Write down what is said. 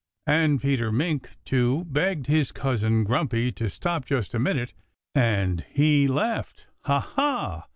And Peter Mink too begged his cousin Grumpy to stop just a minute. And he laughed, "Ha, ha!"